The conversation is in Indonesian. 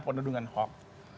penuh dengan hoax